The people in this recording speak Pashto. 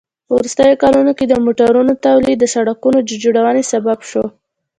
په وروستیو کلونو کې د موټرونو تولید د سړکونو د جوړونې سبب شو.